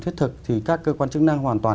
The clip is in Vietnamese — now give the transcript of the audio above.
thiết thực thì các cơ quan chức năng hoàn toàn